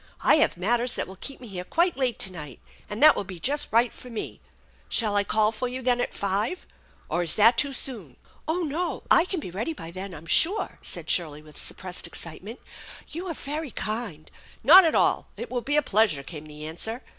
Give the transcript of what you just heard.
I have matters that will keep me here quite late to night, and that will be just right for me. Shall I call for you, then, at five ? Or is that too soon ?"" Oh, no, I can be ready by then, I'm sure," said Shirley with suppressed excitement. "You are very kind "" Not at all. It will be a pleasure," came the answer.